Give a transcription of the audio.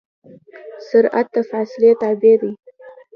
سرعت د فاصلې تابع دی.